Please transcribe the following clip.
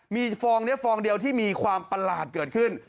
มีฟองนี้ฟองเดียวที่มีความประหลาดเกิดขึ้น